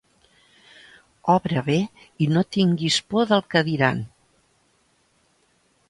Obra bé i no tinguis por del que diran.